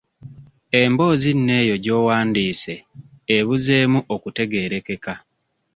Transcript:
Emboozi nno eyo gy'owandiise ebuzeemu okutegeerekeka.